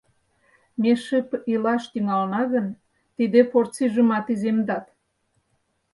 Ме шып илаш тӱҥалына гын, тиде порцийжымат иземдат.